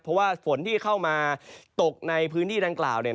เพราะว่าฝนที่เข้ามาตกในพื้นที่ดังกล่าว